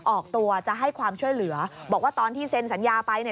ออกตัวจะให้ความช่วยเหลือบอกว่าตอนที่เซ็นสัญญาไปเนี่ย